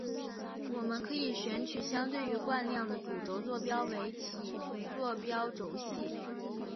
我们可以选取相对于惯量的主轴坐标为体坐标轴系。